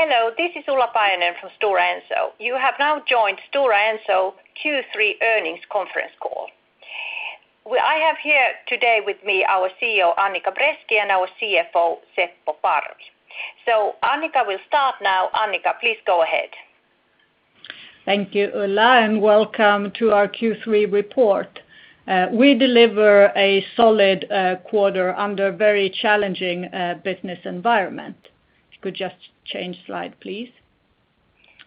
Hello, this is Ulla Paajanen from Stora Enso. You have now joined Stora Enso Q3 earnings conference call. I have here today with me our CEO, Annica Bresky, and our CFO, Seppo Parvi. Annica will start now. Annica, please go ahead. Thank you, Ulla, and welcome to our Q3 report. We deliver a solid quarter under very challenging business environment. If you could just change slide, please.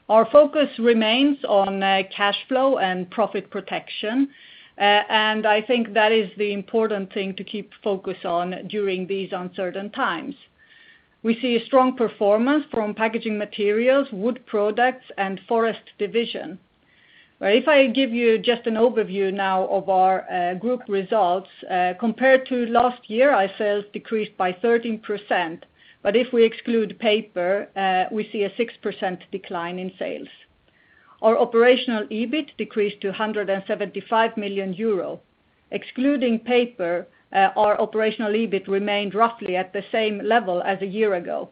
Our focus remains on cash flow and profit protection, and I think that is the important thing to keep focus on during these uncertain times. We see a strong performance from packaging materials, wood products and forest division. If I give you just an overview now of our group results, compared to last year, our sales decreased by 13%, but if we exclude paper, we see a 6% decline in sales. Our operational EBIT decreased to 175 million euro. Excluding paper, our operational EBIT remained roughly at the same level as a year ago.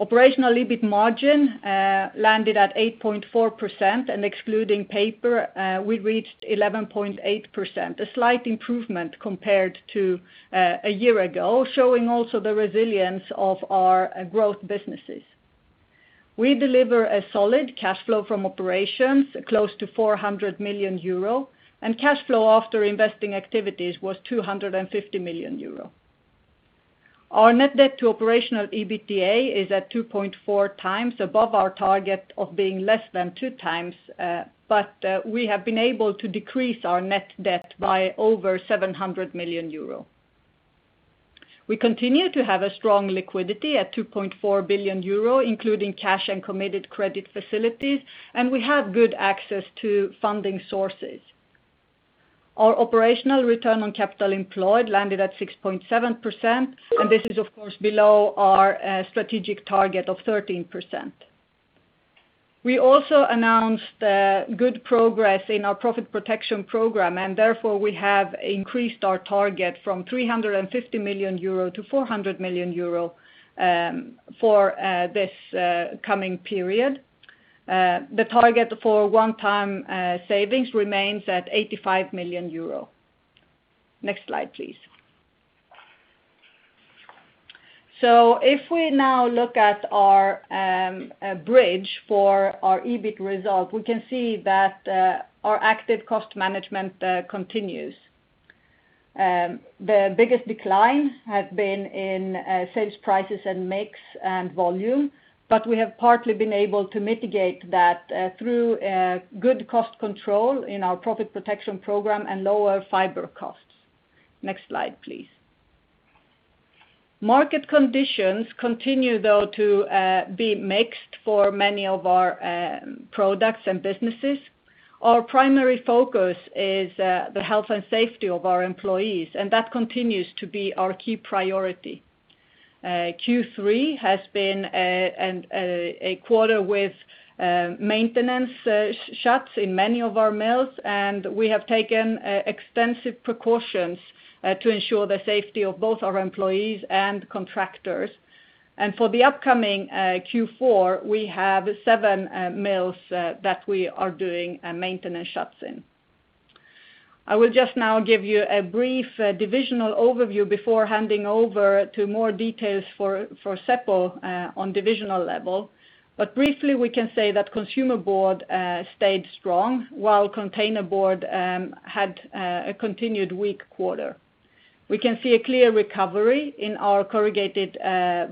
Operational EBIT margin landed at 8.4%, and excluding paper, we reached 11.8%, a slight improvement compared to a year ago, showing also the resilience of our growth businesses. We deliver a solid cash flow from operations close to 400 million euro, and cash flow after investing activities was 250 million euro. Our net debt to operational EBITDA is at 2.4x above our target of being less than 2x, but we have been able to decrease our net debt by over 700 million euro. We continue to have a strong liquidity at 2.4 billion euro, including cash and committed credit facilities, and we have good access to funding sources. Our operational return on capital employed landed at 6.7%, and this is of course below our strategic target of 13%. We also announced good progress in our profit protection program, and therefore we have increased our target from 350 million euro to 400 million euro for this coming period. The target for one-time savings remains at 85 million euro. Next slide, please. If we now look at our bridge for our EBIT result, we can see that our active cost management continues. The biggest decline has been in sales prices and mix and volume, but we have partly been able to mitigate that through good cost control in our profit protection program and lower fiber costs. Next slide, please. Market conditions continue, though, to be mixed for many of our products and businesses. Our primary focus is the health and safety of our employees, and that continues to be our key priority. Q3 has been a quarter with maintenance shuts in many of our mills, and we have taken extensive precautions to ensure the safety of both our employees and contractors. For the upcoming Q4, we have seven mills that we are doing maintenance shuts in. I will just now give you a brief divisional overview before handing over to more details for Seppo on divisional level. Briefly, we can say that consumer board stayed strong while containerboard had a continued weak quarter. We can see a clear recovery in our corrugated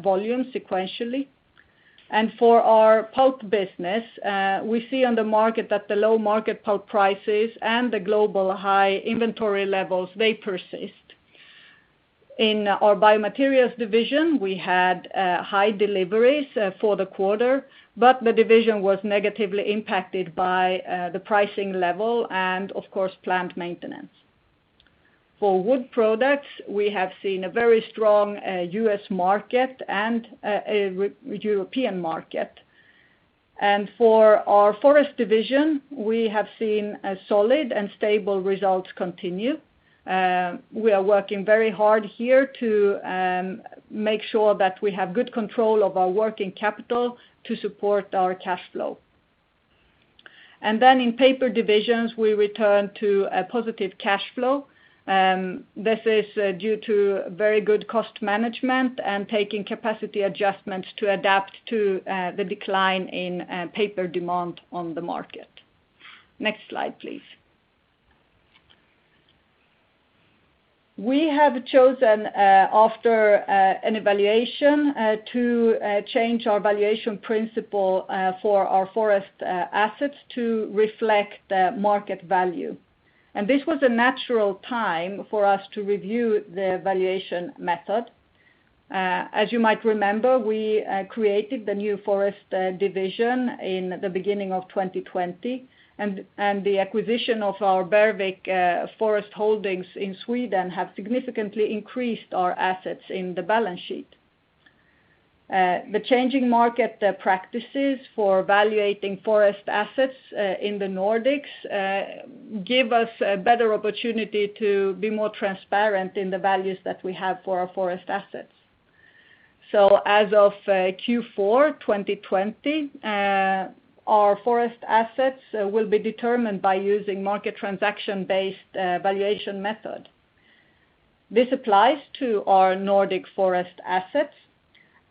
volume sequentially. For our pulp business, we see on the market that the low market pulp prices and the global high inventory levels, they persist. In our biomaterials division, we had high deliveries for the quarter, the division was negatively impacted by the pricing level and of course, plant maintenance. For wood products, we have seen a very strong U.S. market and a European market. For our forest division, we have seen a solid and stable results continue. We are working very hard here to make sure that we have good control of our working capital to support our cash flow. In paper divisions, we return to a positive cash flow. This is due to very good cost management and taking capacity adjustments to adapt to the decline in paper demand on the market. Next slide, please. We have chosen, after an evaluation, to change our valuation principle for our forest assets to reflect the market value. This was a natural time for us to review the valuation method. As you might remember, we created the new forest division in the beginning of 2020, and the acquisition of our Bergvik forest holdings in Sweden have significantly increased our assets in the balance sheet. The changing market practices for valuating forest assets in the Nordics give us a better opportunity to be more transparent in the values that we have for our forest assets. As of Q4 2020, our forest assets will be determined by using market transaction-based valuation method. This applies to our Nordic Forest assets.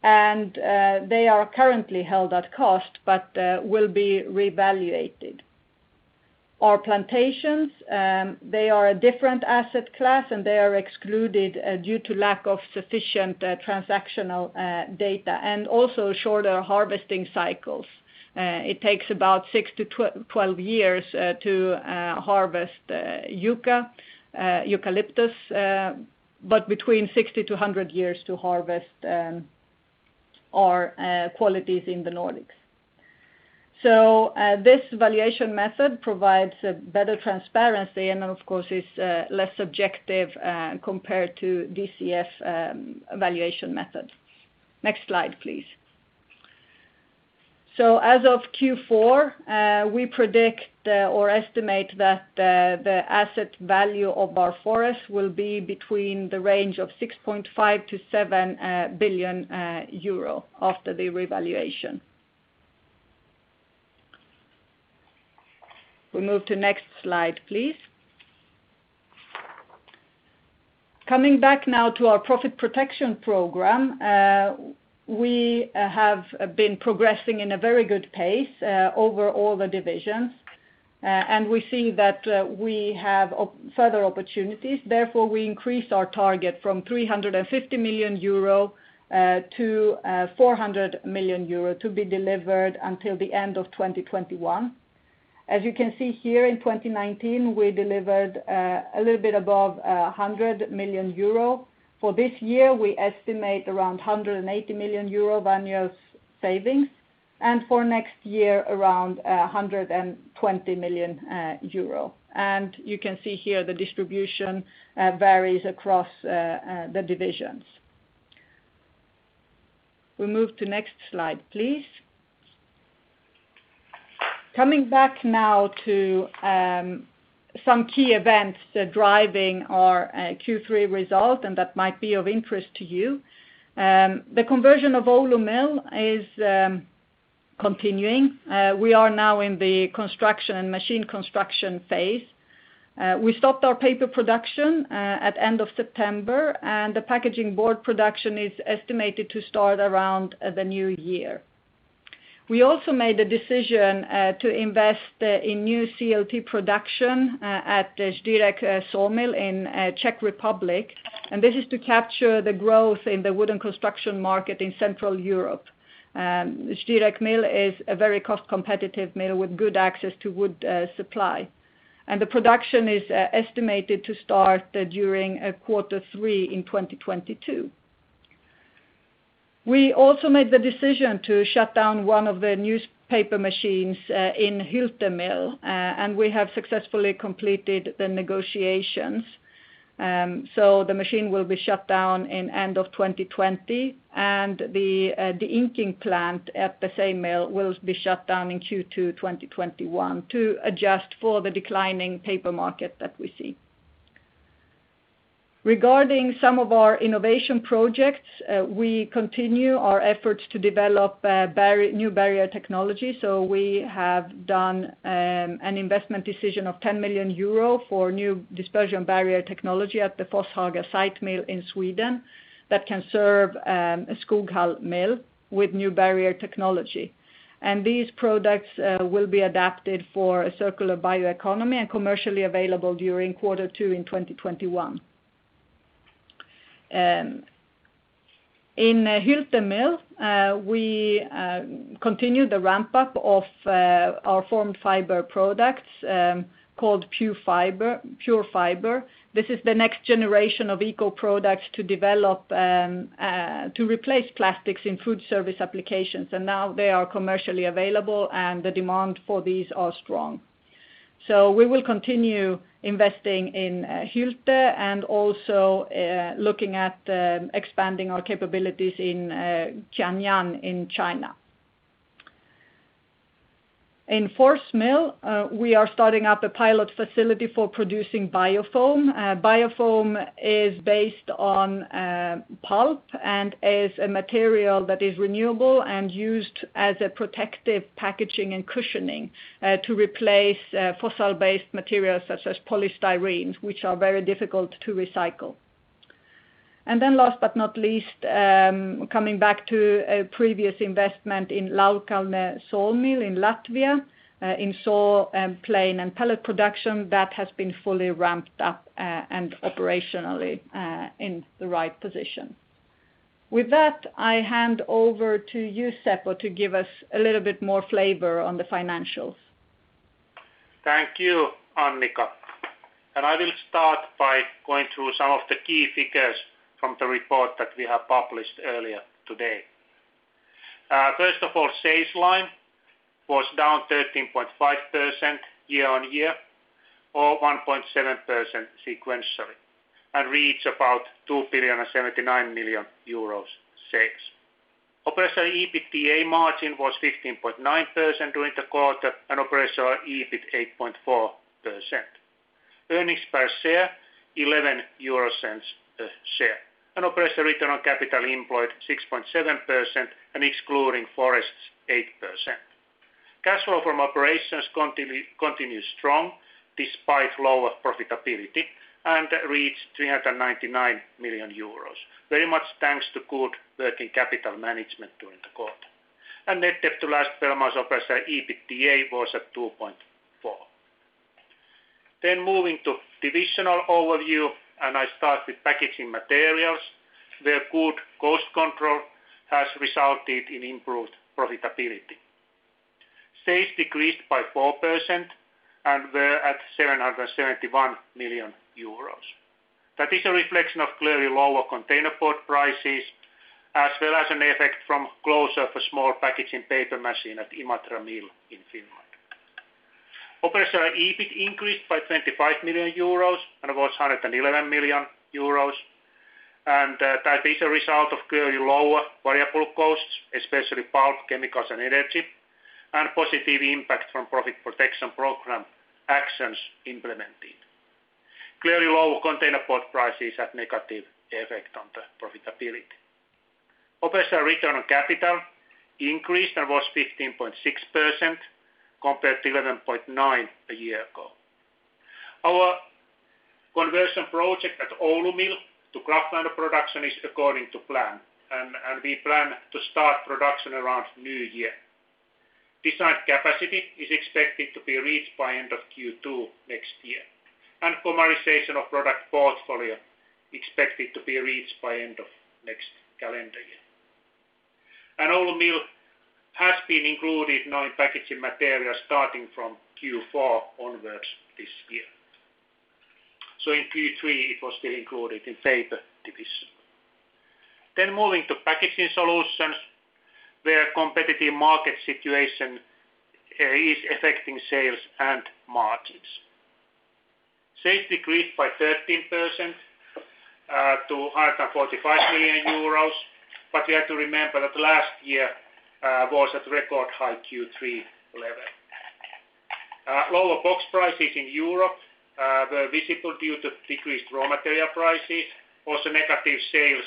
They are currently held at cost but will be revaluated. Our plantations, they are a different asset class. They are excluded due to lack of sufficient transactional data and also shorter harvesting cycles. It takes about 6-12 years to harvest eucalyptus, but between 60-100 years to harvest our qualities in the Nordics. This valuation method provides better transparency and of course, is less subjective compared to DCF valuation method. Next slide, please. As of Q4, we predict or estimate that the asset value of our forest will be between the range of 6.5 billion-7 billion euro after the revaluation. We move to next slide, please. Coming back now to our Profit Protection Program. We have been progressing in a very good pace over all the divisions. We see that we have further opportunities. Therefore, we increased our target from 350 million euro to 400 million euro to be delivered until the end of 2021. As you can see here, in 2019, we delivered a little bit above 100 million euro. For this year, we estimate around 180 million euro annual savings, and for next year, around 120 million euro. You can see here the distribution varies across the divisions. We move to next slide, please. Coming back now to some key events driving our Q3 result and that might be of interest to you. The conversion of Oulu mill is continuing. We are now in the construction and machine construction phase. We stopped our paper production at end of September, and the packaging board production is estimated to start around the new year. We also made a decision to invest in new CLT production at Ždírec sawmill in Czech Republic, and this is to capture the growth in the wooden construction market in Central Europe. Ždírec mill is a very cost-competitive mill with good access to wood supply, and the production is estimated to start during Q3 in 2022. We also made the decision to shut down one of the newspaper machines in Hylte mill, and we have successfully completed the negotiations. The machine will be shut down in end of 2020, and the inking plant at the same mill will be shut down in Q2 2021 to adjust for the declining paper market that we see. Regarding some of our innovation projects, we continue our efforts to develop new barrier technology. We have done an investment decision of 10 million euro for new dispersion barrier technology at the Forshaga site mill in Sweden that can serve Skoghall mill with new barrier technology. These products will be adapted for a circular bioeconomy and commercially available during quarter two in 2021. In Hylte mill, we continue the ramp-up of our formed fiber products called PureFiber. This is the next generation of eco products to replace plastics in food service applications, and now they are commercially available and the demand for these are strong. We will continue investing in Hylte and also looking at expanding our capabilities in Qian'an in China. In Fors mill, we are starting up a pilot facility for producing biofoam. Biofoam is based on pulp and is a material that is renewable and used as a protective packaging and cushioning to replace fossil-based materials such as polystyrene, which are very difficult to recycle. Last but not least, coming back to a previous investment in Launkalne sawmill in Latvia in saw and plane and pellet production that has been fully ramped up and operationally in the right position. With that, I hand over to you, Seppo, to give us a little bit more flavor on the financials. Thank you, Annica. I will start by going through some of the key figures from the report that we have published earlier today. First of all, sales line was down 13.5% year-on-year or 1.7% sequentially and reads about 2 billion and 79 million euros sales. Operational EBITDA margin was 15.9% during the quarter and Operational EBIT 8.4%. Earnings per share 0.11 a share. Operational return on capital employed 6.7%, and excluding forests, 8%. Cash flow from operations continued strong despite lower profitability and reached 399 million euros. Very much thanks to good working capital management during the quarter. Net debt to last 12 months Operational EBITDA was at 2.4x. Moving to divisional overview, I start with Packaging Materials, where good cost control has resulted in improved profitability. Sales decreased by 4% and were at 771 million euros. That is a reflection of clearly lower containerboard prices, as well as an effect from closure of a small packaging paper machine at Imatra mill in Finland. Operational EBIT increased by 25 million euros and was 111 million euros. That is a result of clearly lower variable costs, especially pulp, chemicals, and energy, and positive impact from profit protection program actions implemented. Clearly lower containerboard prices had negative effect on the profitability. Operational return on capital increased and was 15.6% compared to 11.9% a year ago. Our conversion project at Oulu mill to kraftliner production is according to plan, and we plan to start production around new year. Designed capacity is expected to be reached by end of Q2 next year, and commercialization of product portfolio expected to be reached by end of next calendar year. Oulu mill has been included now in Packaging Materials starting from Q4 onwards this year. In Q3, it was still included in Paper division. Moving to Packaging Solutions, where competitive market situation is affecting sales and margins. Sales decreased by 13% to 145 million euros, you have to remember that last year was at record high Q3 level. Lower box prices in Europe were visible due to decreased raw material prices. Negative sales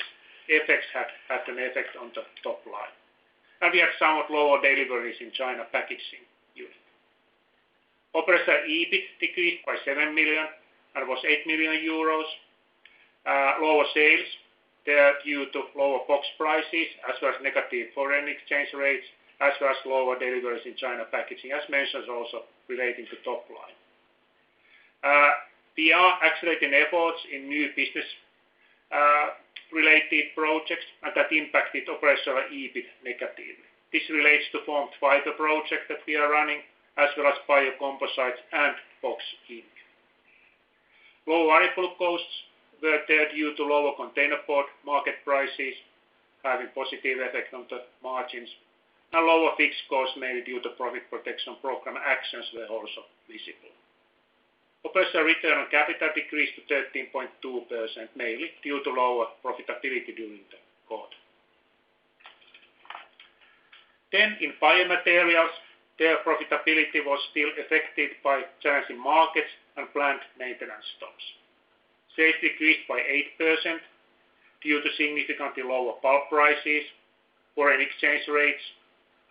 effects had an effect on the top line. We had somewhat lower deliveries in China packaging unit. Operational EBIT decreased by 7 million and was 8 million euros. Lower sales there due to lower box prices as well as negative foreign exchange rates, as well as lower deliveries in China packaging. As mentioned, also relating to top line. We are accelerating efforts in new business-related projects, that impacted operational EBIT negatively. This relates to formed fiber project that we are running, as well as biocomposites and Box Inc. Lower variable costs were there due to lower containerboard market prices having positive effect on the margins, and lower fixed costs mainly due to profit protection program actions were also visible. Operational return on capital decreased to 13.2%, mainly due to lower profitability during the quarter. In biomaterials, their profitability was still affected by challenging markets and plant maintenance stops. Sales decreased by 8% due to significantly lower pulp prices. Foreign exchange rates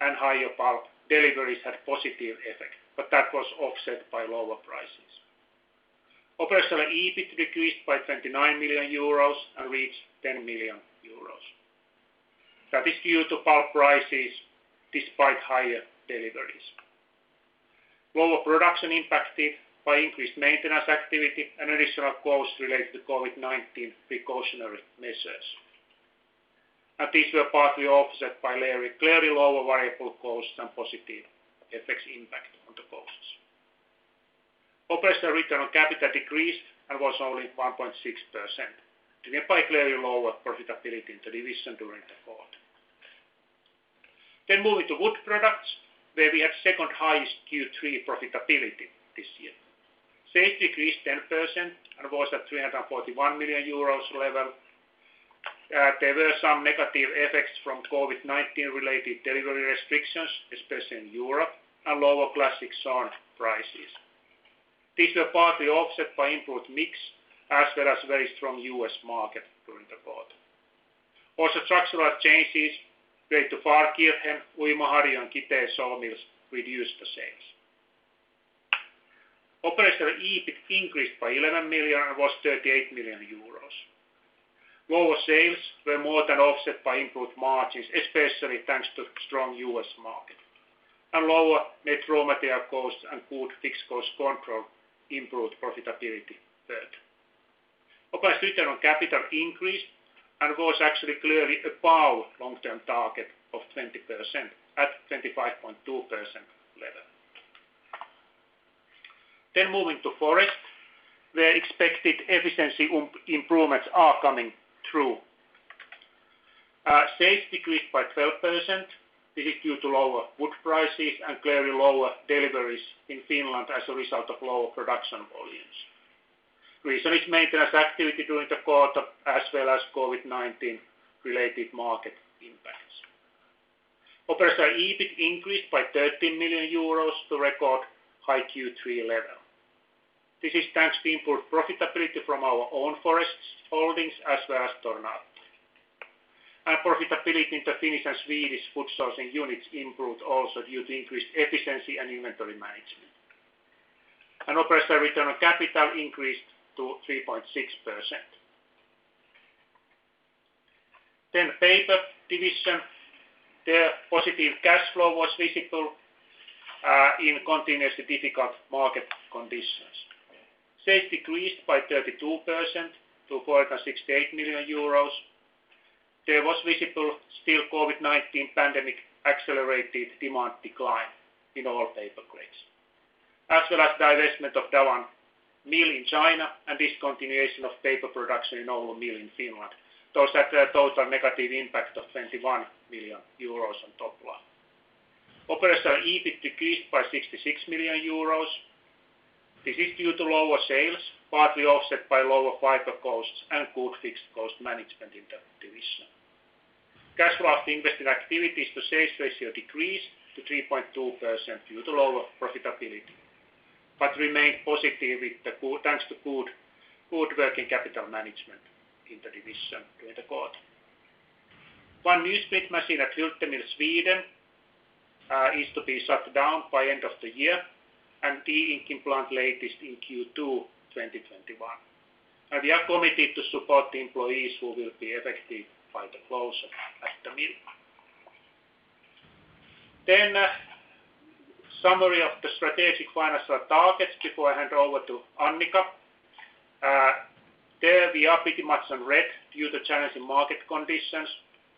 and higher pulp deliveries had positive effect, but that was offset by lower prices. Operational EBIT decreased by 29 million euros and reached 10 million euros. That is due to pulp prices despite higher deliveries. Lower production impacted by increased maintenance activity and additional costs related to COVID-19 precautionary measures. These were partly offset by clearly lower variable costs and positive FX impact on the costs. Operational return on capital decreased and was only 1.6%, driven by clearly lower profitability in the division during the quarter. Moving to wood products, where we had second highest Q3 profitability this year. Sales decreased 10% and was at €341 million level. There were some negative effects from COVID-19 related delivery restrictions, especially in Europe, and lower classic sawn prices. These were partly offset by improved mix as well as very strong US market during the quarter. Also, structural changes related to Pfarrkirchen, Uimaharju, and Kitee sawmills reduced the sales. Operational EBIT increased by 11 million and was 38 million euros. Lower sales were more than offset by improved margins, especially thanks to strong U.S. market. Lower net raw material costs and good fixed cost control improved profitability third. Operational return on capital increased and was actually clearly above long-term target of 20% at 25.2% level. Moving to forest, where expected efficiency improvements are coming through. Sales decreased by 12%. This is due to lower wood prices and clearly lower deliveries in Finland as a result of lower production volumes. Recent maintenance activity during the quarter as well as COVID-19 related market impact. Operational EBIT increased by 13 million euros to record high Q3 level. This is thanks to improved profitability from our own forests holdings as well as Tornator. Profitability in the Finnish and Swedish wood sourcing units improved also due to increased efficiency and inventory management. Operational return on capital increased to 3.6%. Paper division. Their positive cash flow was visible in continuously difficult market conditions. Sales decreased by 32% to 468 million euros. There was visible still COVID-19 pandemic accelerated demand decline in all paper grades, as well as divestment of Dalian mill in China and discontinuation of paper production in Oulu mill in Finland. Those had a total negative impact of 21 million euros on top line. Operational EBIT decreased by 66 million euros. This is due to lower sales, partly offset by lower fiber costs and good fixed cost management in that division. Cash flow investing activities to sales ratio decreased to 3.2% due to lower profitability, but remained positive with thanks to good working capital management in the division during the quarter. One newsprint machine at Hylte mill, Sweden is to be shut down by end of the year and de-inking plant latest in Q2 2021. We are committed to support the employees who will be affected by the closure at the mill. Summary of the strategic financial targets before I hand over to Annica. There we are pretty much on red due to challenging market conditions,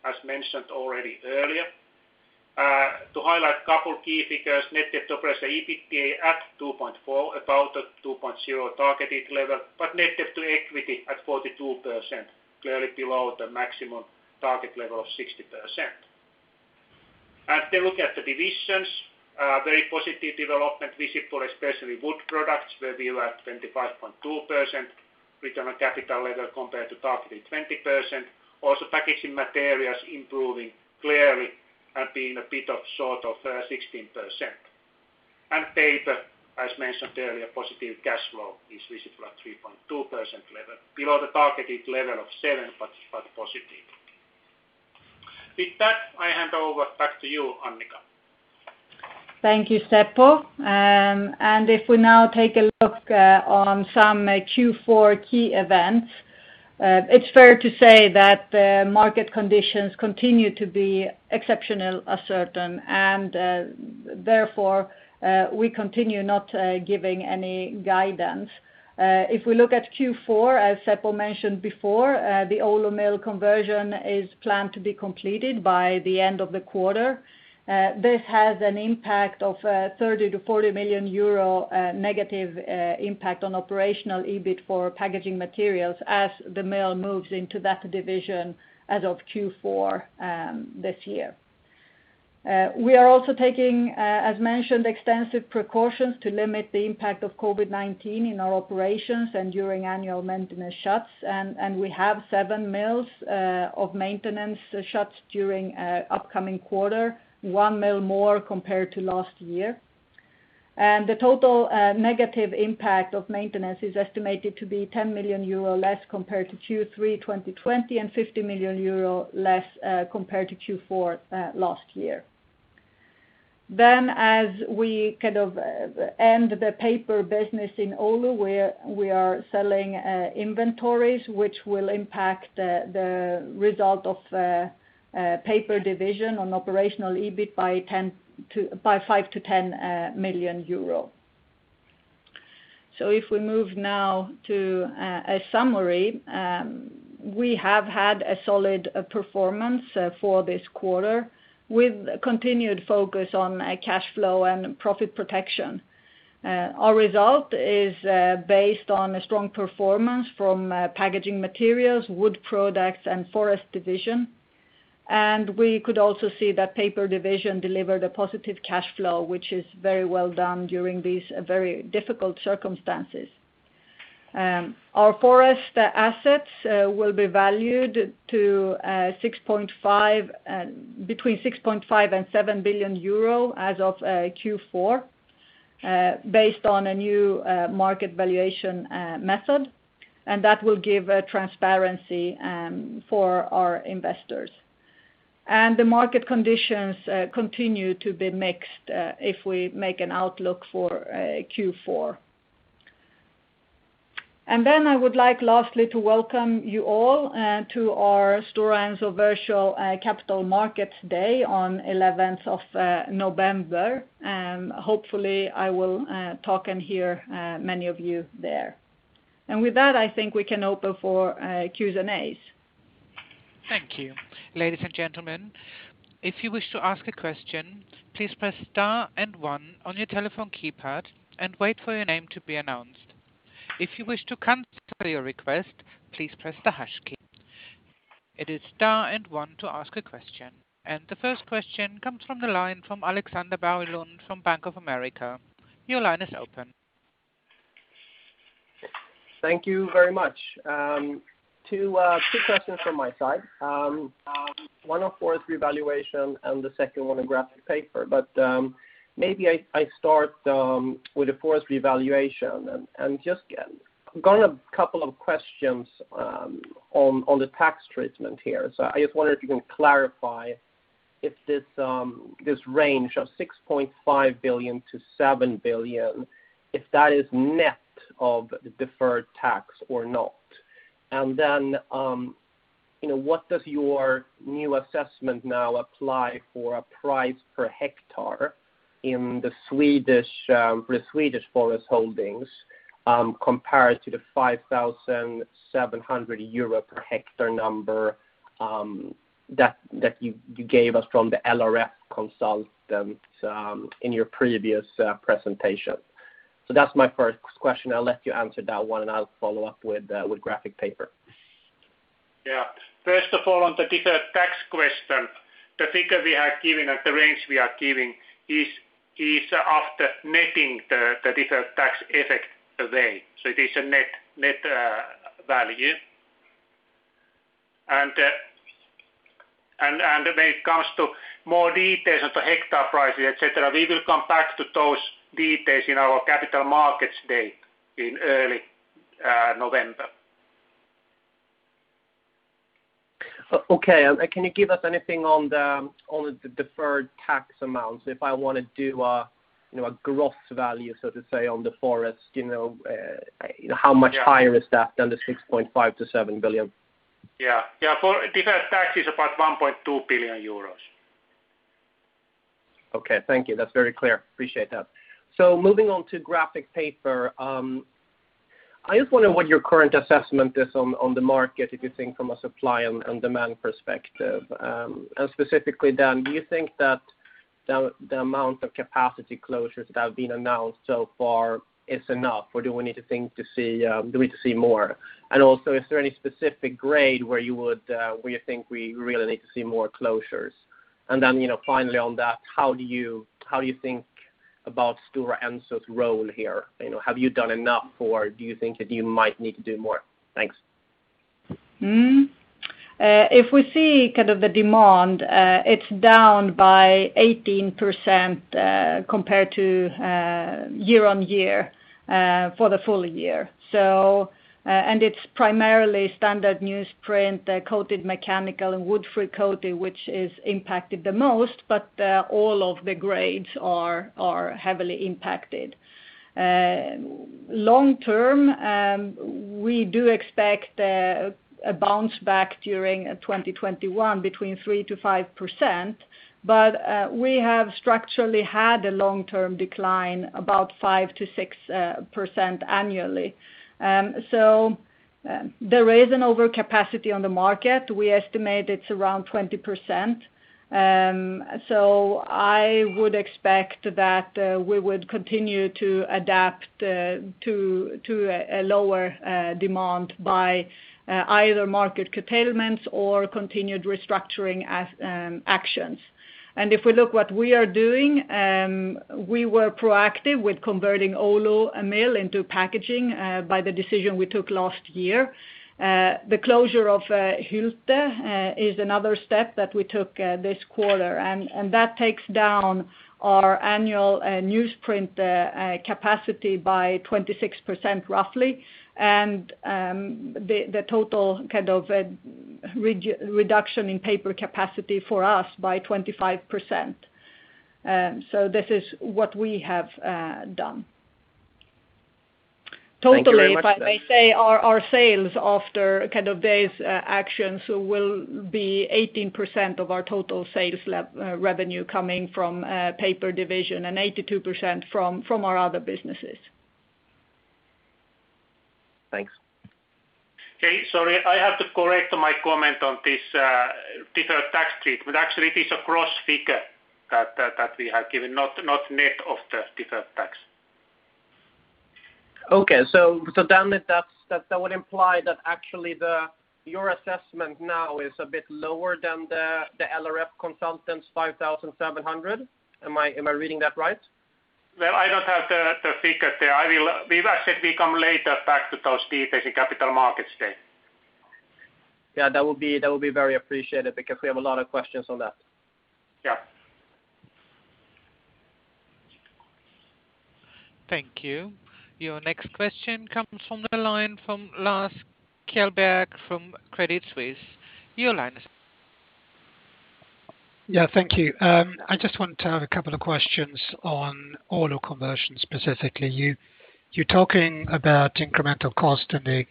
as mentioned already earlier. To highlight couple key figures, net debt to operational EBITDA at 2.4x, about a 2.0x targeted level, but net debt to equity at 42%, clearly below the maximum target level of 60%. Look at the divisions, a very positive development visible, especially Wood Products, where we were at 25.2% return on capital level compared to targeted 20%. Also Packaging Materials improving clearly and being a bit of short of 16%. Paper, as mentioned earlier, positive cash flow is visible at 3.2% level, below the targeted level of seven, but positive. With that, I hand over back to you, Annica. Thank you, Seppo. If we now take a look on some Q4 key events, it's fair to say that the market conditions continue to be exceptionally uncertain. Therefore, we continue not giving any guidance. If we look at Q4, as Seppo mentioned before, the Oulu mill conversion is planned to be completed by the end of the quarter. This has an impact of 30 million-40 million euro negative impact on operational EBIT for Packaging Materials as the mill moves into that division as of Q4 this year. We are also taking, as mentioned, extensive precautions to limit the impact of COVID-19 in our operations and during annual maintenance shuts. We have seven mills of maintenance shuts during upcoming quarter, one mill more compared to last year. The total negative impact of maintenance is estimated to be 10 million euro less compared to Q3 2020 and 50 million euro less compared to Q4 last year. As we kind of end the paper business in Oulu, we are selling inventories, which will impact the result of Paper division on operational EBIT by 5 million-10 million euro. If we move now to a summary, we have had a solid performance for this quarter with continued focus on cash flow and profit protection. Our result is based on a strong performance from Packaging Materials, Wood Products and Forest division. We could also see that Paper division delivered a positive cash flow, which is very well done during these very difficult circumstances. Our forest assets will be valued between 6.5 billion and 7 billion euro as of Q4, based on a new market valuation method. That will give transparency for our investors. The market conditions continue to be mixed if we make an outlook for Q4. Then I would like lastly to welcome you all to our Stora Enso Virtual Capital Markets Day on 11th of November. Hopefully I will talk and hear many of you there. With that, I think we can open for Qs and As. Thank you. Ladies and gentlemen, if you wish to ask a question, please press star and one on your telephone keypad and wait for your name to be announced. If you wish to cancel your request, please the hash key. It is star and one to ask a question. The first question comes from the line from Alexander Berglund from Bank of America. Your line is open Thank you very much. two questions from my side. One on forest revaluation and the second one on graphic paper, Maybe I start with the forest revaluation. Just got a couple of questions on the tax treatment here. I just wonder if you can clarify if this range of 6.5 billion-7 billion, if that is net of the deferred tax or not. Then, what does your new assessment now apply for a price per hectare for the Swedish forest holdings, compared to the 5,700 euro per hectare number that you gave us from the LRF consultants in your previous presentation? That's my first question. I will let you answer that one, and I will follow up with graphic paper. Yeah. First of all, on the deferred tax question, the figure we are giving and the range we are giving is after netting the deferred tax effect away. It is a net value. When it comes to more details on the hectare prices, et cetera, we will come back to those details in our capital markets day in early November. Okay. Can you give us anything on the deferred tax amount? If I want to do a gross value, so to say, on the forest, how much higher is that than the 6.5 billion-7 billion? Yeah. Deferred tax is about 1.2 billion euros. Okay, thank you. That's very clear. Appreciate that. Moving on to graphic paper. I just wonder what your current assessment is on the market if you think from a supply and demand perspective. Specifically then, do you think that the amount of capacity closures that have been announced so far is enough, or do we need to see more? Also, is there any specific grade where you think we really need to see more closures? Finally on that, how do you think about Stora Enso's role here? Have you done enough, or do you think that you might need to do more? Thanks. If we see the demand, it's down by 18% compared to year-on-year for the full year. It's primarily standard newsprint, coated mechanical, and wood free coating, which is impacted the most. All of the grades are heavily impacted. Long term, we do expect a bounce back during 2021 between 3%-5%, but we have structurally had a long-term decline about 5%-6% annually. There is an overcapacity on the market. We estimate it's around 20%. I would expect that we would continue to adapt to a lower demand by either market curtailments or continued restructuring actions. If we look what we are doing, we were proactive with converting Oulu mill into packaging, by the decision we took last year. The closure of Hylte is another step that we took this quarter, and that takes down our annual newsprint capacity by 26%, roughly, and the total reduction in paper capacity for us by 25%. This is what we have done. Thank you very much. Totally, if I may say, our sales after these actions will be 18% of our total sales revenue coming from Paper division and 82% from our other businesses. Thanks. Okay. Sorry, I have to correct my comment on this deferred tax treatment. Actually, it is a gross figure that we have given, not net of the deferred tax. Okay. That would imply that actually your assessment now is a bit lower than the LRF consultants' 5,700. Am I reading that right? Well, I don't have the figures there. As I said, we come later back to those details in capital markets day. Yeah, that would be very appreciated because we have a lot of questions on that. Yeah. Thank you. Your next question comes from the line from Lars Kjellberg from Credit Suisse. Your line is. Yeah. Thank you. I just wanted to have a couple of questions on Oulu conversion, specifically. You're talking about incremental cost in the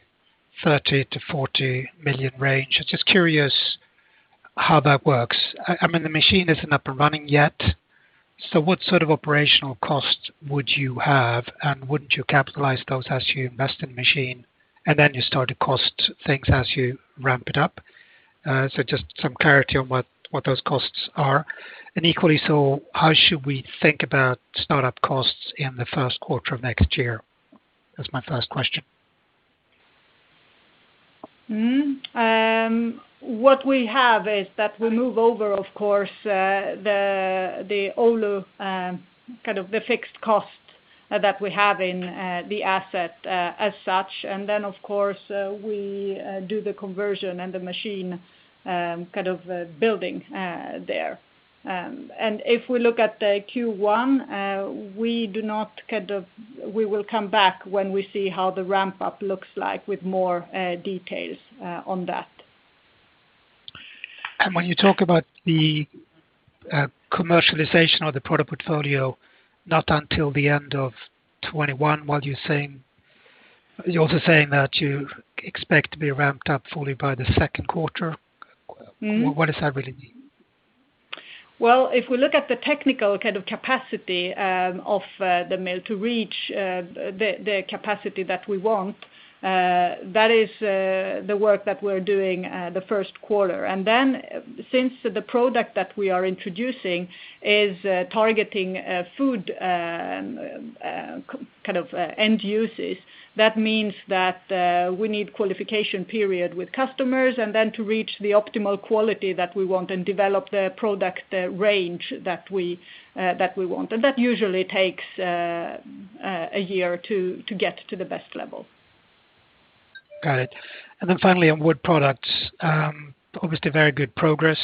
30 million-40 million range. I'm just curious how that works. I mean, the machine isn't up and running yet, so what sort of operational costs would you have? Wouldn't you capitalize those as you invest in the machine, and then you start to cost things as you ramp it up? Just some clarity on what those costs are. Equally so, how should we think about startup costs in the first quarter of next year? That's my first question. What we have is that we move over, of course, the Oulu, the fixed costs that we have in the asset as such. Then, of course, we do the conversion and the machine building there. If we look at the Q1, we will come back when we see how the ramp-up looks like with more details on that. When you talk about the commercialization of the product portfolio, not until the end of 2021, you're also saying that you expect to be ramped up fully by the second quarter? What does that really mean? Well, if we look at the technical capacity of the mill to reach the capacity that we want, that is the work that we're doing the first quarter. Then since the product that we are introducing is targeting food end uses, that means that we need qualification period with customers, and then to reach the optimal quality that we want and develop the product range that we want. That usually takes a year to get to the best level. Got it. Finally, on wood products, obviously very good progress,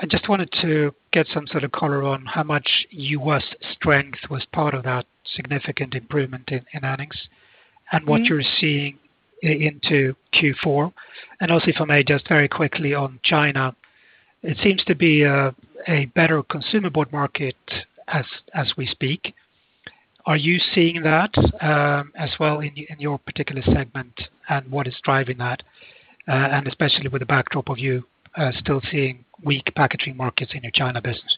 I just wanted to get some sort of color on how much U.S. strength was part of that significant improvement in earnings. What you're seeing into Q4. Also, if I may, just very quickly on China, it seems to be a better consumer board market as we speak. Are you seeing that as well in your particular segment, and what is driving that? Especially with the backdrop of you still seeing weak packaging markets in your China business.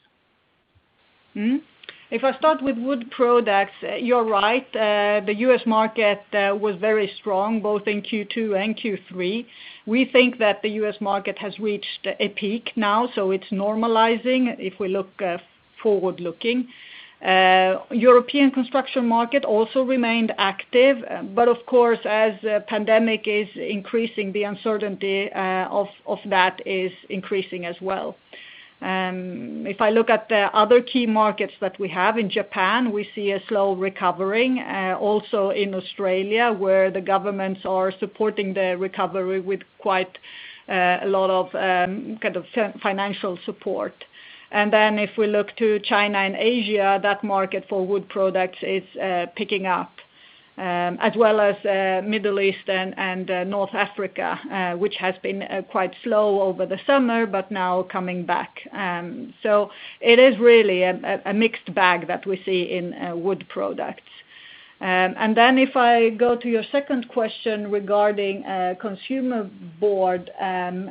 If I start with wood products, you're right. The U.S. market was very strong, both in Q2 and Q3. We think that the U.S. market has reached a peak now, so it's normalizing, if we look forward-looking. European construction market also remained active. Of course, as pandemic is increasing, the uncertainty of that is increasing as well. If I look at the other key markets that we have in Japan, we see a slow recovery. Also in Australia, where the governments are supporting the recovery with quite a lot of financial support. If we look to China and Asia, that market for wood products is picking up, as well as Middle East and North Africa, which has been quite slow over the summer, but now coming back. It is really a mixed bag that we see in wood products. Then if I go to your second question regarding consumer board,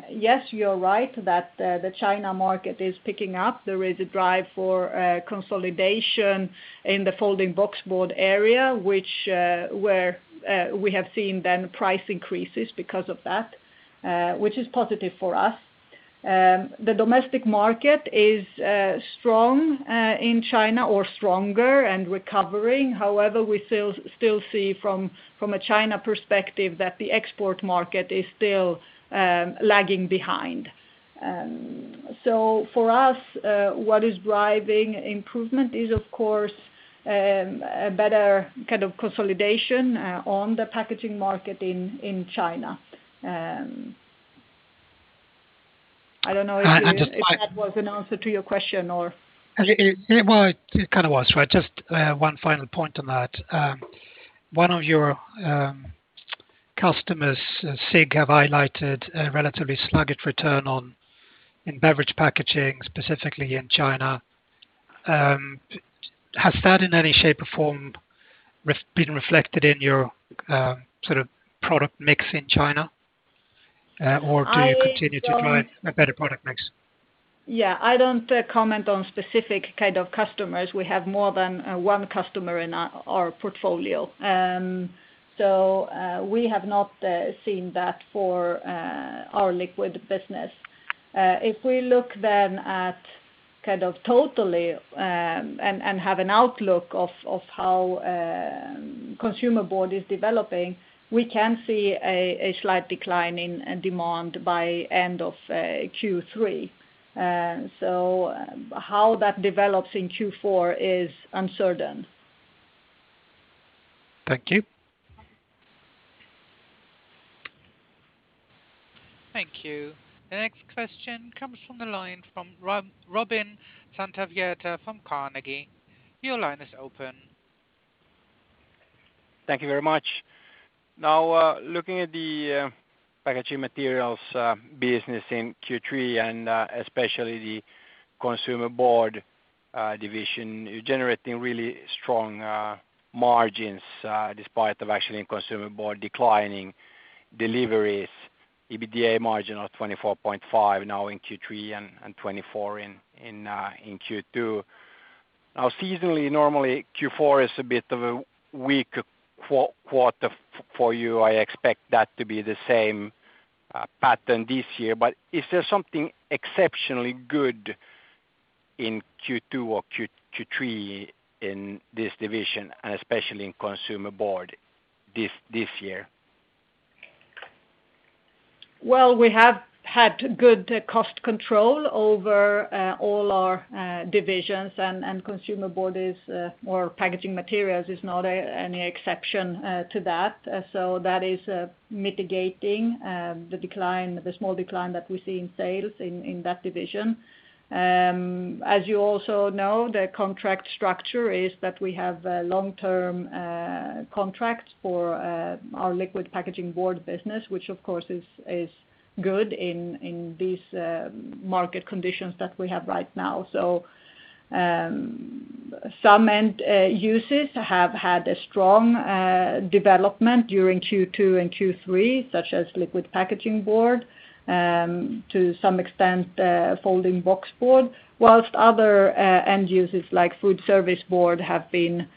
yes, you're right that the China market is picking up. There is a drive for consolidation in the folding boxboard area, where we have seen then price increases because of that, which is positive for us. The domestic market is strong in China or stronger and recovering. However, we still see from a China perspective that the export market is still lagging behind. For us, what is driving improvement is, of course, a better consolidation on the packaging market in China. I don't know if that was an answer to your question or? Well, it kind of was. Just one final point on that. One of your customers, SIG, have highlighted a relatively sluggish return in beverage packaging, specifically in China. Has that in any shape or form been reflected in your product mix in China? Do you continue to drive a better product mix? Yeah, I don't comment on specific kind of customers. We have more than one customer in our portfolio. We have not seen that for our liquid business. If we look then at totally and have an outlook of how consumer board is developing, we can see a slight decline in demand by end of Q3. How that develops in Q4 is uncertain. Thank you. Thank you. The next question comes from the line from Robin Santavirta from Carnegie. Your line is open. Thank you very much. Looking at the packaging materials business in Q3, and especially the consumer board division, you're generating really strong margins despite of actually consumer board declining deliveries, EBITDA margin of 24.5% now in Q3 and 24% in Q2. Seasonally, normally Q4 is a bit of a weak quarter for you. I expect that to be the same pattern this year. Is there something exceptionally good in Q2 or Q3 in this division, and especially in consumer board this year? We have had good cost control over all our divisions, and consumer board or packaging materials is not any exception to that. That is mitigating the small decline that we see in sales in that division. As you also know, the contract structure is that we have long-term contracts for our liquid packaging board business, which of course is good in these market conditions that we have right now. Some end uses have had a strong development during Q2 and Q3, such as liquid packaging board, to some extent, folding boxboard, whilst other end users like food service board have been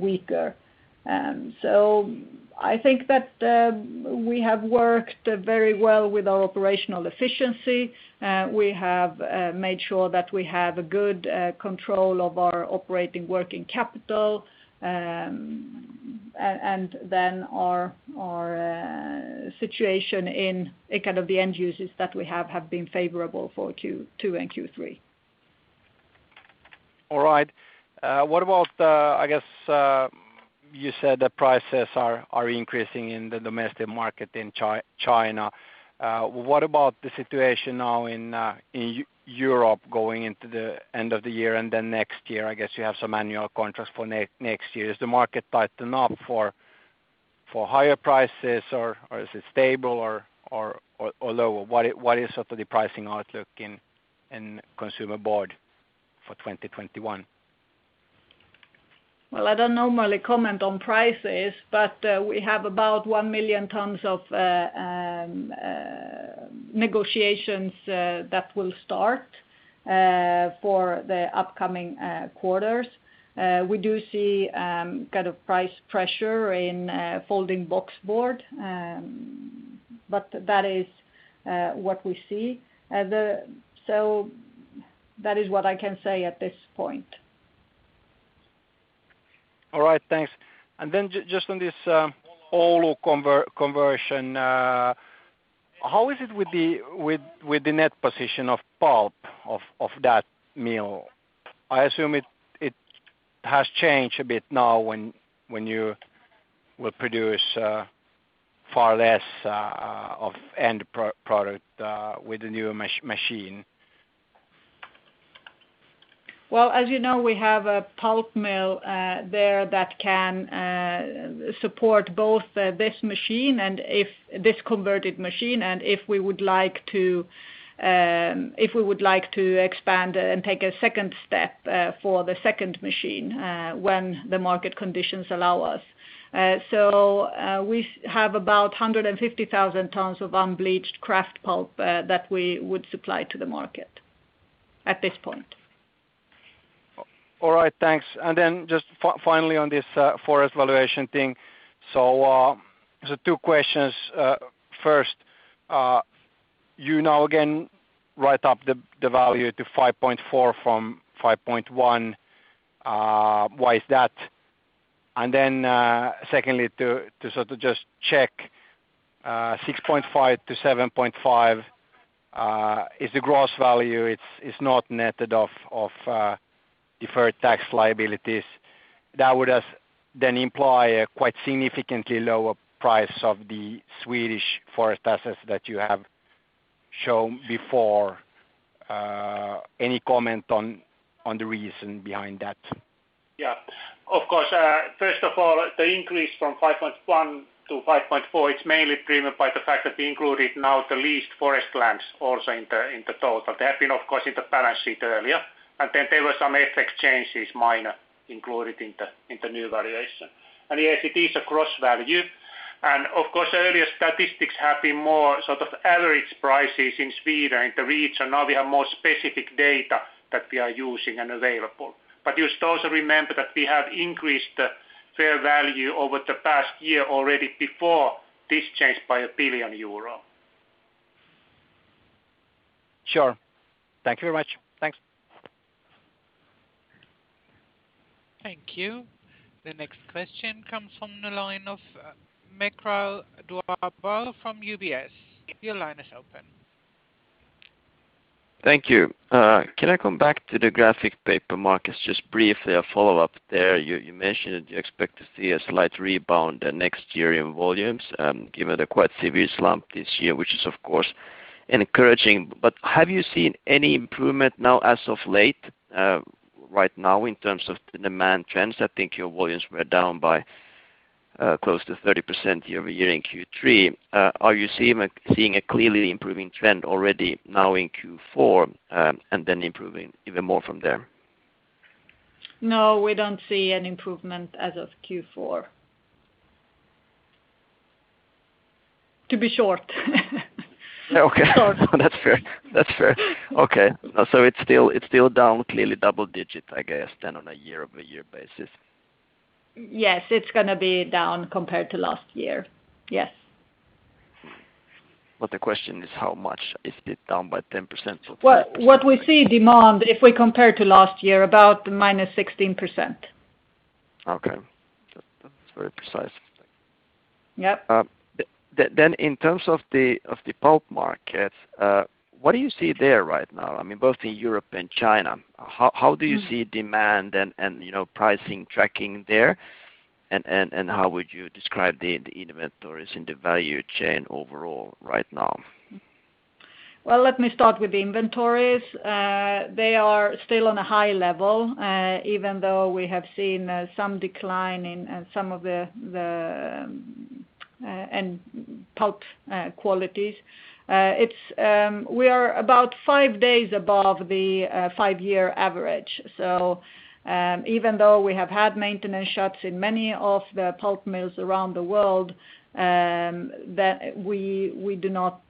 weaker. I think that we have worked very well with our operational efficiency. We have made sure that we have a good control of our operating working capital, and then our situation in the end users that we have been favorable for Q2 and Q3. All right. I guess you said that prices are increasing in the domestic market in China. What about the situation now in Europe going into the end of the year and then next year? I guess you have some annual contracts for next year. Is the market tightened up for higher prices, or is it stable, or lower? What is the pricing outlook in consumer board for 2021? Well, I don't normally comment on prices, but we have about 1 million tons of negotiations that will start for the upcoming quarters. We do see price pressure in folding boxboard. That is what we see. That is what I can say at this point. All right, thanks. Just on this Oulu conversion, how is it with the net position of pulp of that mill? I assume it has changed a bit now when you will produce far less of end product with the new machine. Well, as you know, we have a pulp mill there that can support both this converted machine and if we would like to expand and take a second step for the second machine when the market conditions allow us. We have about 150,000 tons of unbleached kraft pulp that we would supply to the market at this point. All right, thanks. Just finally on this forest valuation thing. There's two questions. First, you now again write up the value to 5.4billion from 5.1 billion. Why is that? Secondly, to just check 6.5 billion-7.5 billion, is the gross value, it's not netted off deferred tax liabilities. That would have then imply a quite significantly lower price of the Swedish forest assets that you have shown before. Any comment on the reason behind that? Of course, first of all, the increase from 5.1 billion to 5.4 billion, it's mainly driven by the fact that we included now the leased forest lands also in the total. They have been, of course, in the balance sheet earlier, and then there were some effect changes, minor, included in the new valuation. Yes, it is a gross value. Of course, earlier statistics have been more average prices in Sweden, in the region. Now we have more specific data that we are using and available. You should also remember that we have increased fair value over the past year already before this change by 1 billion euro. Sure. Thank you very much. Thanks. Thank you. The next question comes from the line of Mikael Doepel from UBS. Your line is open. Thank you. Can I come back to the graphic paper markets, just briefly a follow-up there. You mentioned you expect to see a slight rebound next year in volumes, given the quite severe slump this year, which is of course encouraging. Have you seen any improvement now as of late, right now in terms of the demand trends? I think your volumes were down by close to 30% year-over-year in Q3. Are you seeing a clearly improving trend already now in Q4, and then improving even more from there? No, we don't see an improvement as of Q4. To be short. Okay. That's fair. Okay. It's still down clearly double digits, I guess, then on a year-over-year basis. Yes, it's going to be down compared to last year. Yes. The question is how much? Is it down by 10% or 50%? What we see demand, if we compare to last year, about -16%. Okay. That's very precise. Yep. In terms of the pulp market, what do you see there right now, both in Europe and China? How do you see demand and pricing tracking there? How would you describe the inventories in the value chain overall right now? Let me start with inventories. They are still on a high level, even though we have seen some decline in some of the pulp qualities. We are about five days above the five-year average. Even though we have had maintenance shuts in many of the pulp mills around the world, we do not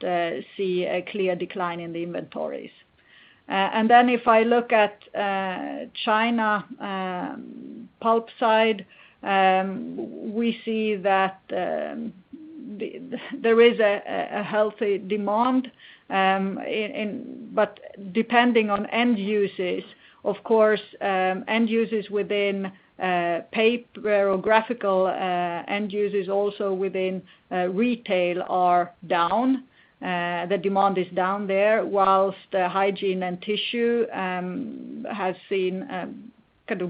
see a clear decline in the inventories. If I look at China pulp side, we see that there is a healthy demand, but depending on end users, of course, end users within paper or graphical end users also within retail are down. The demand is down there whilst hygiene and tissue has seen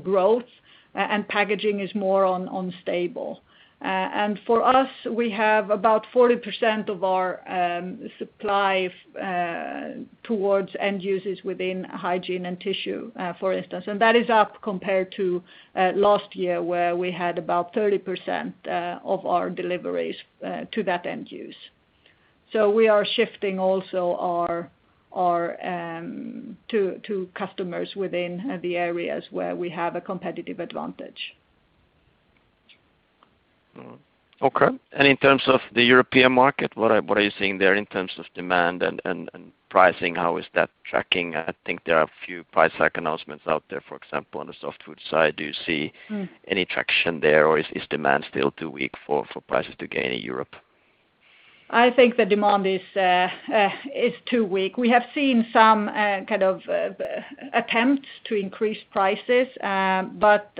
growth, and packaging is more on stable. For us, we have about 40% of our supply towards end users within hygiene and tissue, for instance. That is up compared to last year where we had about 30% of our deliveries to that end use. We are shifting also to customers within the areas where we have a competitive advantage. Okay. In terms of the European market, what are you seeing there in terms of demand and pricing? How is that tracking? I think there are a few price hike announcements out there, for example, on the softwood side. Do you see any traction there, or is demand still too weak for prices to gain in Europe? I think the demand is too weak. We have seen some kind of attempts to increase prices, but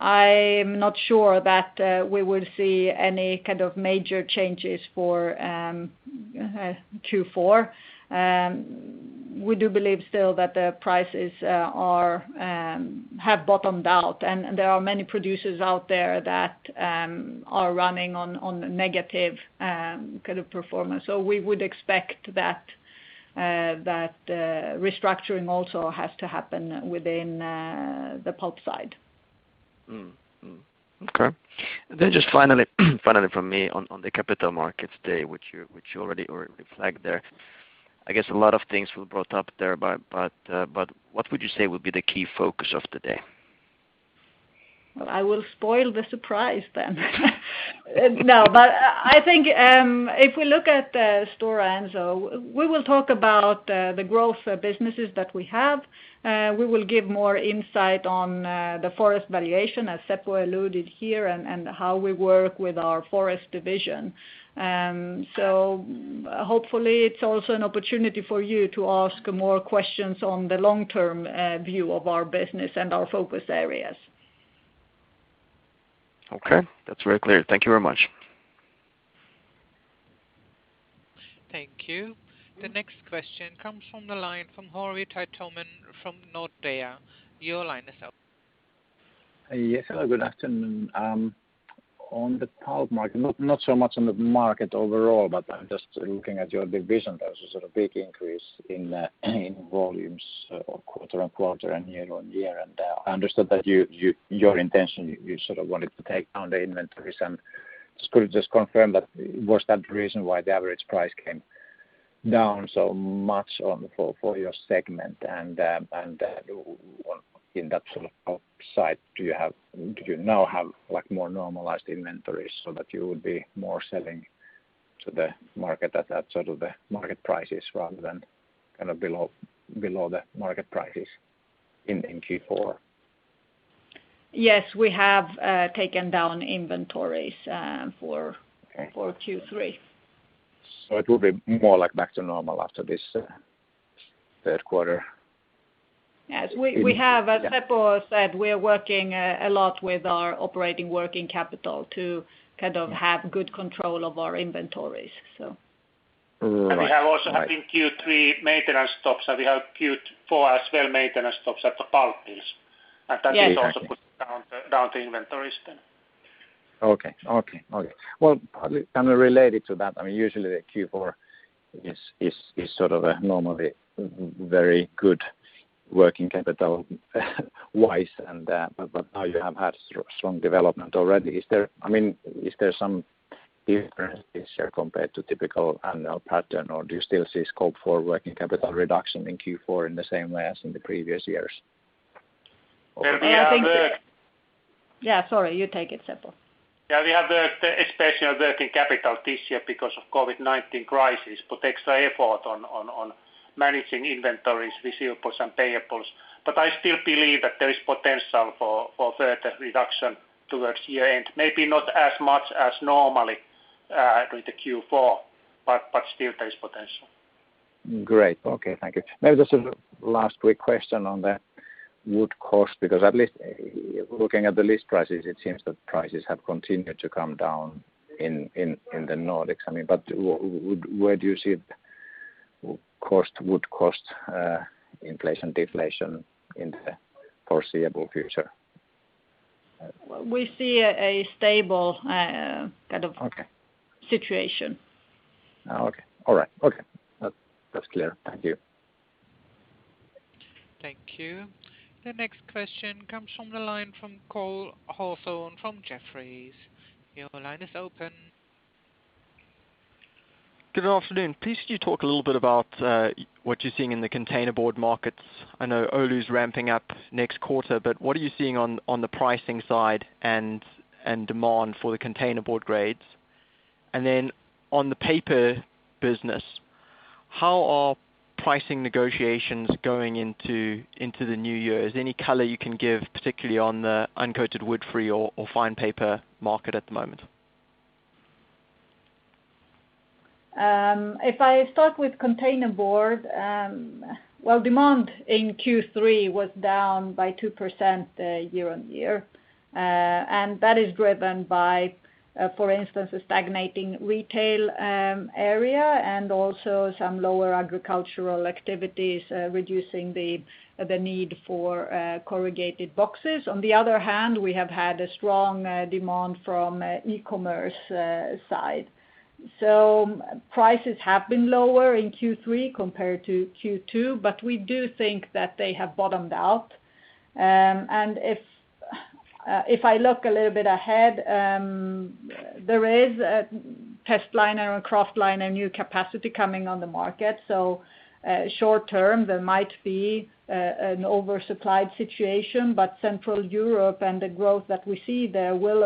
I'm not sure that we will see any kind of major changes for Q4. We do believe still that the prices have bottomed out, and there are many producers out there that are running on negative performance. We would expect that restructuring also has to happen within the pulp side. Okay. Just finally from me on the Capital Markets Day, which you already flagged there. I guess a lot of things were brought up there, but what would you say would be the key focus of the day? I will spoil the surprise then. I think if we look at Stora Enso, we will talk about the growth businesses that we have. We will give more insight on the forest valuation, as Seppo alluded here, and how we work with our forest division. Hopefully it's also an opportunity for you to ask more questions on the long-term view of our business and our focus areas. Okay. That's very clear. Thank you very much. Thank you. The next question comes from the line from Harri Taittonen from Nordea. Your line is open. Yes. Hello, good afternoon. On the pulp market, not so much on the market overall, but just looking at your division, there was a sort of big increase in volumes quarter on quarter and year on year. I understood that your intention, you sort of wanted to take down the inventories and could you just confirm that was that the reason why the average price came down so much for your segment and in that sort of outside, do you now have more normalized inventories so that you would be more selling to the market at sort of the market prices rather than below the market prices in Q4? Yes, we have taken down inventories for Q3. It will be more like back to normal after this third quarter? Yes, we have, as Seppo said, we are working a lot with our operating working capital to kind of have good control of our inventories. All right. We have also had in Q3 maintenance stops, and we have Q4 as well maintenance stops at the pulp mills. Yeah, exactly. That is also put down the inventories then. Well, kind of related to that. Usually the Q4 is sort of a normally very good working capital wise, but now you have had strong development already. Is there some differences here compared to typical annual pattern, or do you still see scope for working capital reduction in Q4 in the same way as in the previous years? Sorry, you take it, Seppo. Yeah, we have the special working capital this year because of COVID-19 crisis, put extra effort on managing inventories, receivables, and payables. I still believe that there is potential for further reduction towards year-end. Maybe not as much as normally with the Q4, but still there is potential. Great. Okay, thank you. Maybe just a last quick question on the wood cost, because at least looking at the list prices, it seems that prices have continued to come down in the Nordics. Where do you see wood cost inflation, deflation in the foreseeable future? We see a stable kind of. Okay Situation. Okay. All right. That's clear. Thank you. Thank you. The next question comes from the line from Cole Hathorn from Jefferies. Your line is open. Good afternoon. Please could you talk a little bit about what you're seeing in the containerboard markets. I know Oulu's ramping up next quarter, but what are you seeing on the pricing side and demand for the containerboard grades? On the paper business, how are pricing negotiations going into the new year? Is there any color you can give, particularly on the uncoated woodfree or fine paper market at the moment? If I start with containerboard, well, demand in Q3 was down by 2% year-over-year. That is driven by, for instance, a stagnating retail area and also some lower agricultural activities reducing the need for corrugated boxes. On the other hand, we have had a strong demand from e-commerce side. Prices have been lower in Q3 compared to Q2, but we do think that they have bottomed out. If I look a little bit ahead, there is testliner and kraftliner new capacity coming on the market. Short term, there might be an oversupplied situation, but Central Europe and the growth that we see there will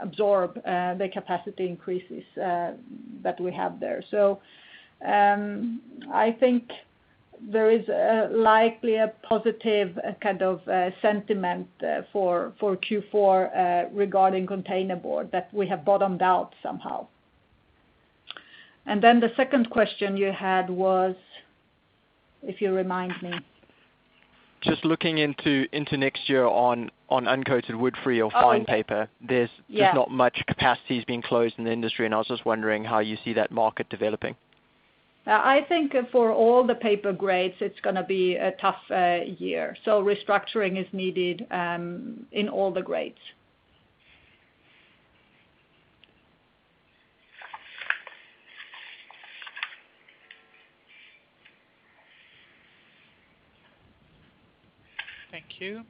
absorb the capacity increases that we have there. I think there is likely a positive kind of sentiment for Q4 regarding containerboard that we have bottomed out somehow. The second question you had was, if you remind me. Just looking into next year on uncoated woodfree or fine paper. Oh, yes. There's not much capacities being closed in the industry, and I was just wondering how you see that market developing. I think for all the paper grades, it's going to be a tough year. Restructuring is needed in all the grades. Thank you.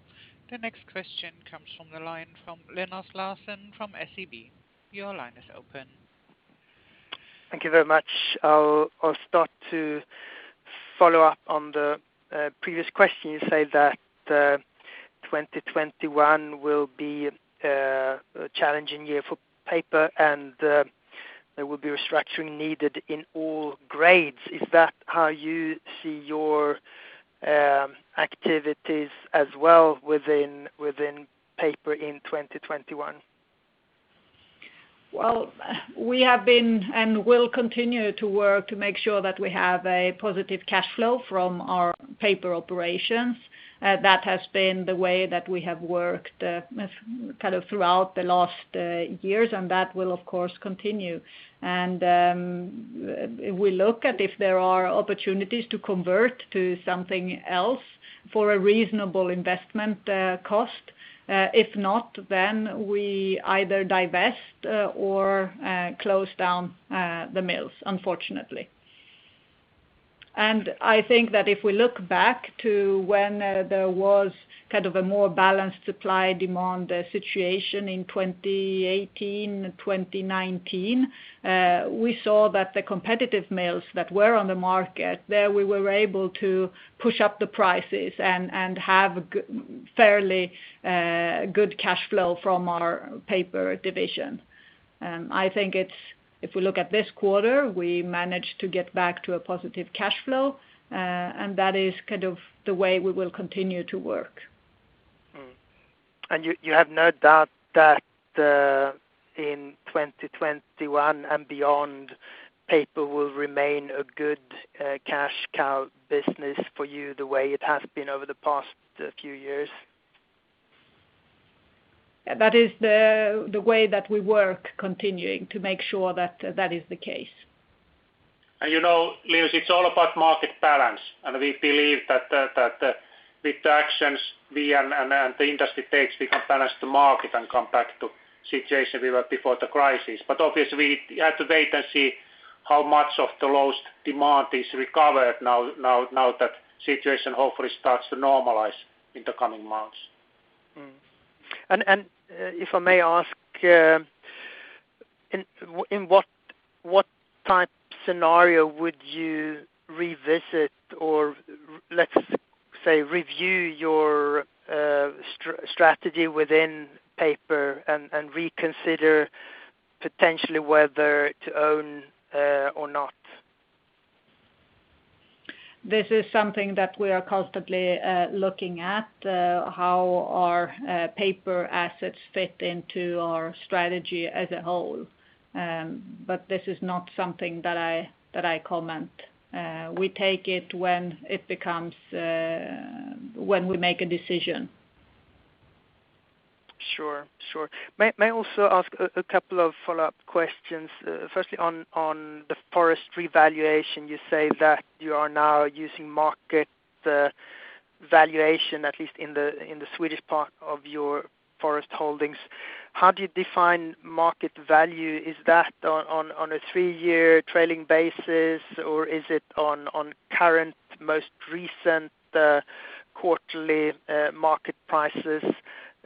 The next question comes from the line from Linus Larsson from SEB. Your line is open. Thank you very much. I'll start to follow up on the previous question. You say that 2021 will be a challenging year for paper and there will be restructuring needed in all grades. Is that how you see your activities as well within paper in 2021? Well, we have been and will continue to work to make sure that we have a positive cash flow from our paper operations. That has been the way that we have worked throughout the last years, and that will, of course, continue. We look at if there are opportunities to convert to something else for a reasonable investment cost. If not, then we either divest or close down the mills, unfortunately. I think that if we look back to when there was a more balanced supply-demand situation in 2018, 2019, we saw that the competitive mills that were on the market, there we were able to push up the prices and have fairly good cash flow from our paper division. I think if we look at this quarter, we managed to get back to a positive cash flow, and that is the way we will continue to work. You have no doubt that in 2021 and beyond, paper will remain a good cash cow business for you the way it has been over the past few years? That is the way that we work, continuing to make sure that that is the case. Linus, it's all about market balance, and we believe that with the actions we and the industry takes, we can balance the market and come back to situation we were before the crisis. Obviously, we have to wait and see how much of the lost demand is recovered now that situation hopefully starts to normalize in the coming months. If I may ask, in what type scenario would you revisit or, let's say, review your strategy within paper and reconsider potentially whether to own or not? This is something that we are constantly looking at, how our paper assets fit into our strategy as a whole. This is not something that I comment. We take it when we make a decision. Sure. May I also ask a couple of follow-up questions, firstly, on the forest revaluation, you say that you are now using market valuation, at least in the Swedish part of your forest holdings. How do you define market value? Is that on a three-year trailing basis, or is it on current, most recent quarterly market prices?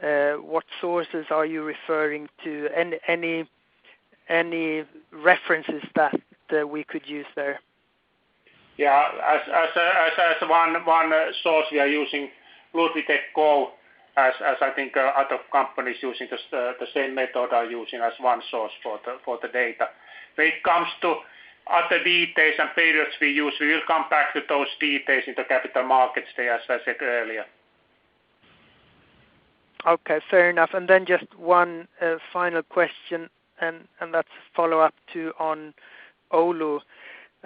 What sources are you referring to? Any references that we could use there? As one source, we are using Ludvig & Co, as I think other companies using the same method are using as one source for the data. When it comes to other details and periods we use, we will come back to those details in the Capital Markets Day, as I said earlier. Okay, fair enough. Just one final question, and that's a follow-up too, on Oulu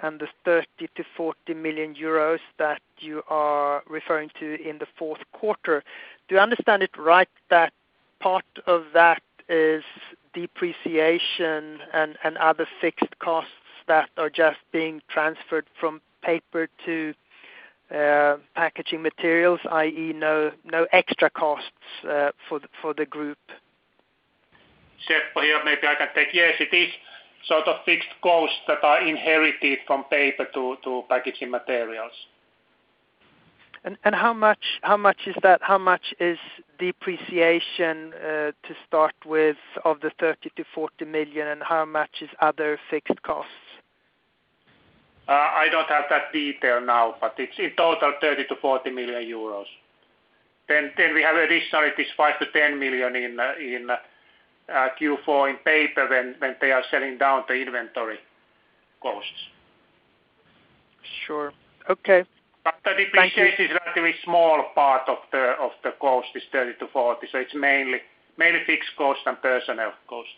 and the 30 million-40 million euros that you are referring to in the fourth quarter, do I understand it right that part of that is depreciation and other fixed costs that are just being transferred from paper to packaging materials, i.e. no extra costs for the group? Seppo here. Maybe I can take. Yes, it is sort of fixed costs that are inherited from paper to packaging materials. How much is that? How much is depreciation to start with of the 30 million-40 million, and how much is other fixed costs? I don't have that detail now, but it's in total 30 million-40 million euros. We have additionally, it is 5 million-10 million in Q4 in paper when they are selling down the inventory costs. Sure. Okay. Thank you. The depreciation is relatively small part of the cost, this 30 million-40 million. It's mainly fixed costs and personnel costs.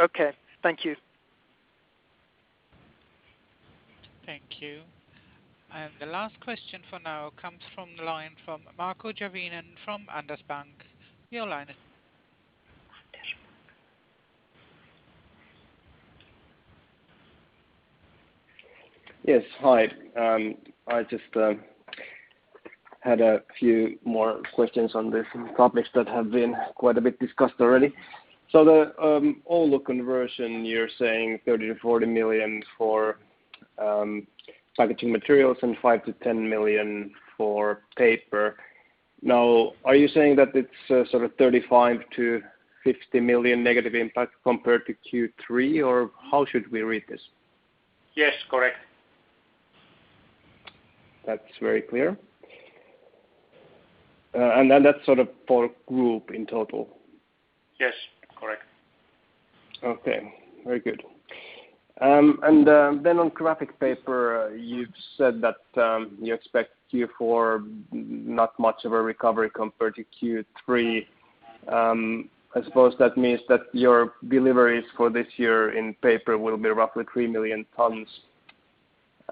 Okay. Thank you. Thank you. The last question for now comes from the line from Markku Järvinen from Handelsbanken. Your line is... Yes, hi. I just had a few more questions on the topics that have been quite a bit discussed already. The Oulu conversion, you're saying 30 million-40 million for packaging materials and 5 million-10 million for paper. Are you saying that it's sort of 35 million-50 million negative impact compared to Q3, or how should we read this? Yes, correct. That's very clear. That's sort of for group in total? Yes, correct. Okay. Very good. On graphic paper, you've said that you expect Q4 not much of a recovery compared to Q3. I suppose that means that your deliveries for this year in paper will be roughly 3 million tons.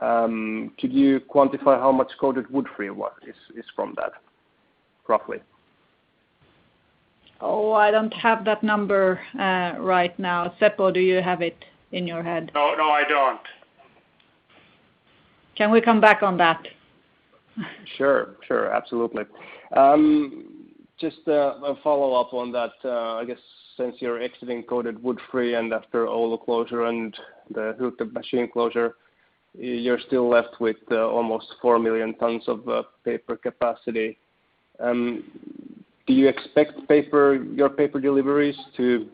Could you quantify how much coated woodfree is from that, roughly? Oh, I don't have that number right now. Seppo, do you have it in your head? No, I don't. Can we come back on that? Sure. Absolutely. Just a follow-up on that. I guess since you're exiting coated woodfree and after Oulu closure and the machine closure, you're still left with almost 4 million tons of paper capacity. Do you expect your paper deliveries to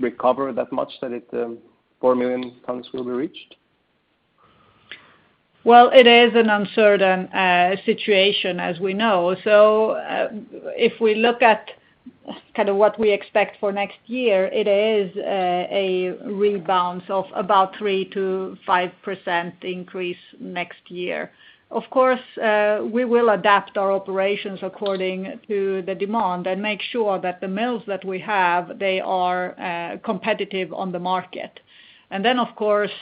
recover that much, that 4 million tons will be reached? Well, it is an uncertain situation as we know. If we look at kind of what we expect for next year, it is a rebalance of about 3%-5% increase next year. Of course, we will adapt our operations according to the demand and make sure that the mills that we have, they are competitive on the market. Then, of course,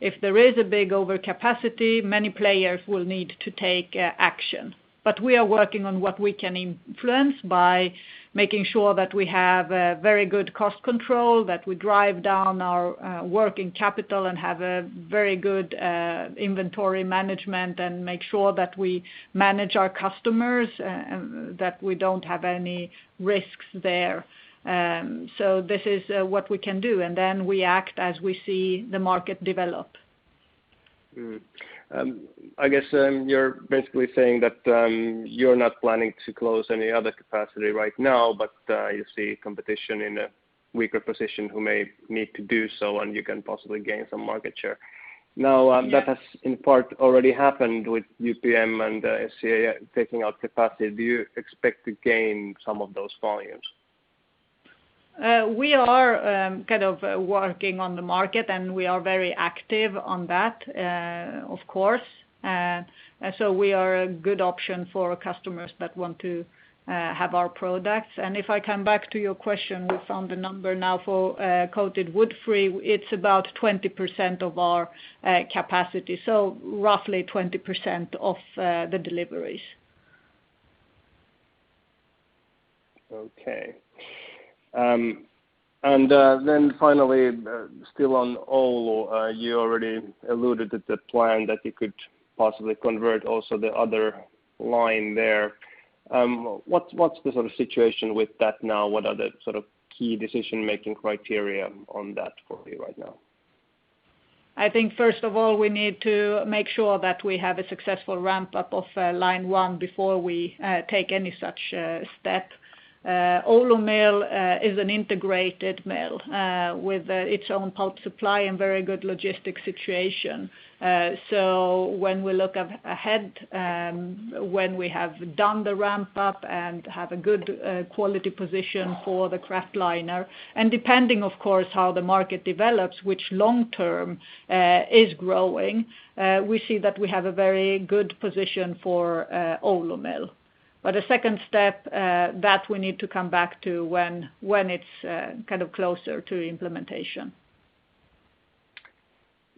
if there is a big overcapacity, many players will need to take action. We are working on what we can influence by making sure that we have a very good cost control, that we drive down our working capital and have a very good inventory management and make sure that we manage our customers, that we don't have any risks there. This is what we can do, then we act as we see the market develop. I guess you're basically saying that you're not planning to close any other capacity right now, but you see competition in a weaker position who may need to do so, and you can possibly gain some market share. Yes that has, in part, already happened with UPM and SCA taking out capacity. Do you expect to gain some of those volumes? We are working on the market, and we are very active on that, of course. We are a good option for customers that want to have our products. If I come back to your question, we found the number now for coated woodfree, it's about 20% of our capacity, so roughly 20% of the deliveries. Okay. Finally, still on Oulu, you already alluded to the plan that you could possibly convert also the other line there. What's the sort of situation with that now? What are the key decision-making criteria on that for you right now? I think, first of all, we need to make sure that we have a successful ramp-up of line 1 before we take any such step. Oulu mill is an integrated mill with its own pulp supply and very good logistic situation. When we look ahead, when we have done the ramp-up and have a good quality position for the kraftliner, and depending, of course, how the market develops, which long-term is growing, we see that we have a very good position for Oulu mill. The second step, that we need to come back to when it's closer to implementation.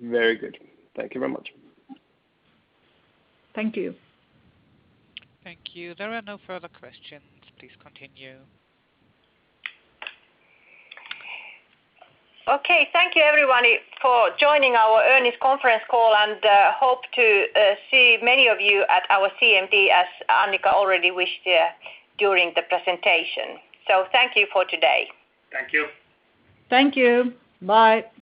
Very good. Thank you very much. Thank you. Thank you. There are no further questions. Please continue. Okay. Thank you everyone for joining our earnings conference call. Hope to see many of you at our CMD as Annica already wished during the presentation. Thank you for today. Thank you. Thank you. Bye.